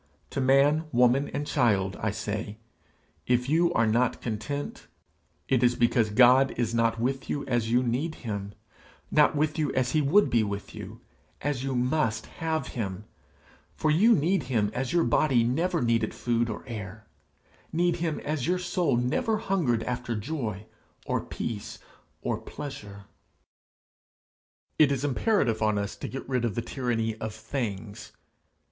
To man, woman, and child, I say if you are not content, it is because God is not with you as you need him, not with you as he would be with you, as you must have him; for you need him as your body never needed food or air, need him as your soul never hungered after joy, or peace, or pleasure. It is imperative on us to get rid of the tyranny of things.